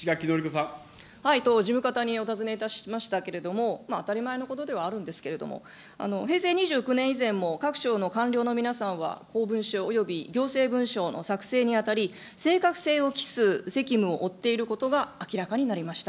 事務方にお尋ねいたしましたけれども、当たり前のことではあるんですけれども、平成２９年も各省の官僚の皆さんは、公文書および行政文書の作成にあたり、正確性をきす責務を負っていることが明らかになりました。